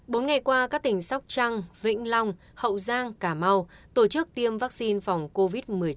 bốn ngày qua các tỉnh sóc trăng vĩnh long hậu giang cà mau tổ chức tiêm vaccine phòng covid một mươi chín